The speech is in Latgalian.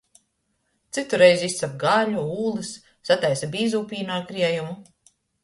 Cytu reizi izcap gaļu, ūlys, sataisa bīzū pīnu ar kriejumu.